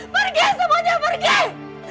pergi semuanya pergi